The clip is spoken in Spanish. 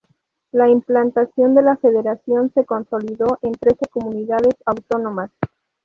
La implantación de la Federación se consolidó en trece comunidades autónomas.